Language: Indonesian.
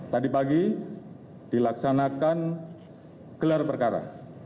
tadi pagi dilaksanakan gelar perkara